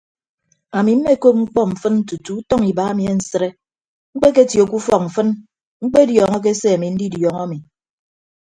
Ami mmekop mkpọ mfịn tutu utọñ iba emi ansịde mkpeketie ke ufọk mfịn mkpediọọñọke se ami ndidiọọñọ ami.